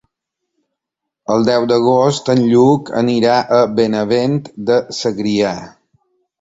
El deu d'agost en Lluc irà a Benavent de Segrià.